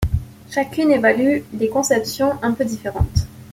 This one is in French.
Chacune évalue des conceptions un peu différentes.